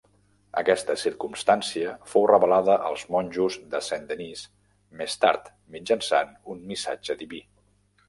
Aquesta circumstància fou revelada als monjos de Saint-Denis més tard, mitjançant un missatge diví.